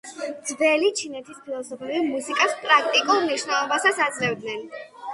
ძველი ჩინეთის ფილოსოფოსები მუსიკას პრაქტიკულ მნიშვნელობასაც აძლევდნენ.